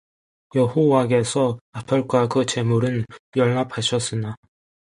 여호와께서 아벨과 그 제물은 열납하셨으나